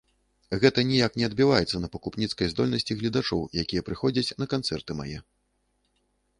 Гэта ніяк не адбіваецца на пакупніцкай здольнасці гледачоў, якія прыходзяць на канцэрты мае.